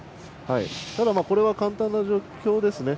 ただ、これは簡単な状況です。